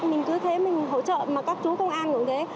mình cứ thế mình hỗ trợ mà các chú công an cũng thế